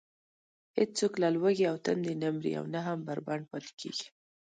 هېڅوک له لوږې و تندې نه مري او نه هم بربنډ پاتې کېږي.